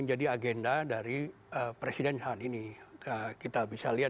ujung ujung ag tag barang sesuatu dimana sebagai nilai ditambahkan kepada penyelenggaraan